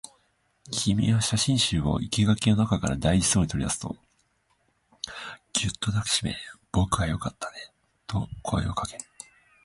君は写真集を生垣の中から大事そうに取り出すと、ぎゅっと抱きしめ、僕はよかったねと声をかける